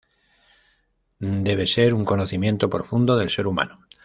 Debe ser un conocimiento profundo del ser humano.